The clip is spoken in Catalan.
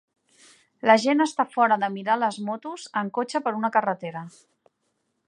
La gent està fora de mirar les motos en cotxe per una carretera.